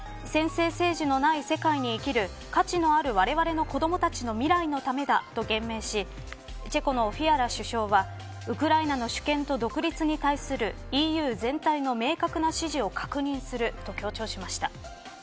専制政治のない世界に生きる価値のあるわれわれの子どもたちの未来のためなど言明しチェコのフィアラ首相はウクライナの主権と独立に対するＥＵ全体の明確な支持を確認すると強調しました。